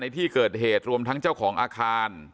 ที่เกิดเหตุรวมทั้งเจ้าของอาคาร